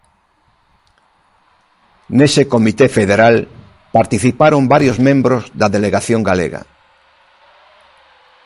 Nese comité federal participaron varios membros da delegación galega.